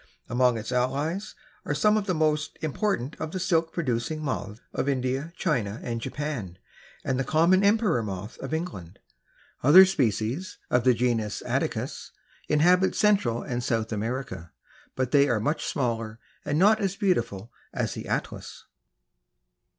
Among its allies are some of the most important of the silk producing moths of India, China and Japan, and the common emperor moth of England. Other species of the genus Attacus inhabit Central and South America, but they are much smaller and not as beautiful as the Atlas.